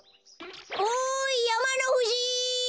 おいやまのふじ！